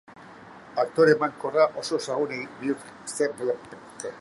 Aktore emankorra oso ezagun egin zen jenio handiko pertsonaien paperak egiten.